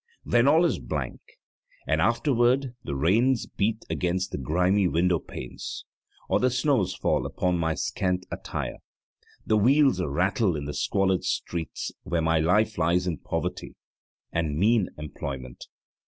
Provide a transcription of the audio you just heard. Then all is blank; and afterward the rains beat against the grimy windowpanes, or the snows fall upon my scant attire, the wheels rattle in the squalid streets where my life lies in poverty and mean employment.